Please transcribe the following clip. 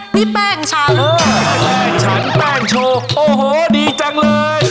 นี่แป้งฉันแป้งโชว์โอ้โหดีจังเลย